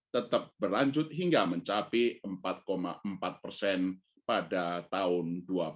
tetap berlanjut hingga mencapai empat empat persen pada tahun dua ribu dua puluh